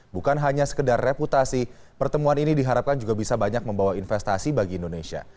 bukan hanya sekedar reputasi pertemuan ini diharapkan juga bisa banyak membawa investasi bagi indonesia